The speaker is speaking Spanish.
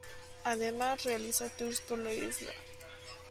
Además, realiza tours por la isla.